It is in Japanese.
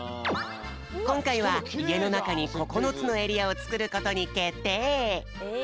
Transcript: こんかいはいえのなかに９つのエリアをつくることにけってい。